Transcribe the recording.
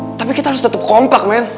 ya tapi kita harus tetep kompak men